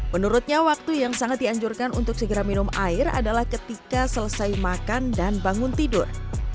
menurutnya waktu yang sangat dianjurkan untuk segera minum air adalah ketika selesai makan dan bangun tidur